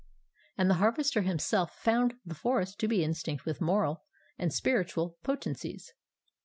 And the Harvester himself found the forest to be instinct with moral and spiritual potencies.